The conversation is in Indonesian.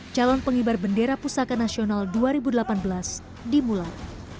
calon penghibar bendera pusaka nasional dua ribu delapan belas dimulai